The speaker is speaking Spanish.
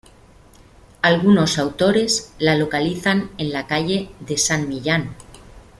Algunos autores la localizan en la calle de San Millán.